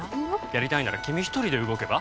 やりたいなら君一人で動けば？